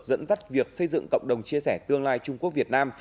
dẫn dắt việc xây dựng cộng đồng chia sẻ tương lai trung quốc việt nam